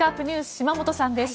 島本さんです。